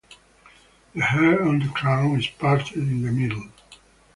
The hair on the crown is parted in the middle.